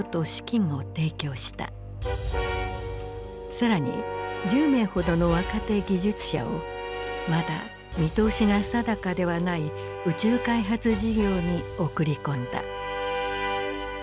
更に１０名ほどの若手技術者をまだ見通しが定かではない宇宙開発事業に送り込んだ。